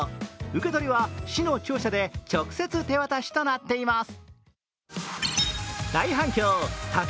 受け取りは市の庁舎で直接手渡しとなっています。